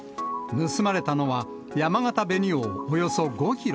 盗まれたのは、やまがた紅王およそ５キロ。